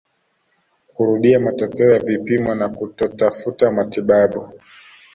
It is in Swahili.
kurudia matokeo ya vipimo na kutotafuta matibabu